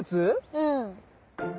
うん。